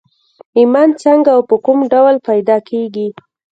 ايمان څنګه او په کوم ډول پيدا کېږي؟